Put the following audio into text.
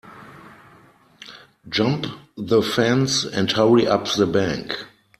Jump the fence and hurry up the bank.